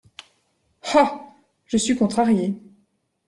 Ah ! je suis contrariée…